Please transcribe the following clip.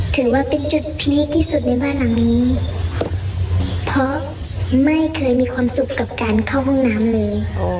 ถือว่าเป็นจุดพีคที่สุดในบ้านหลังนี้เพราะไม่เคยมีความสุขกับการเข้าห้องน้ำเลย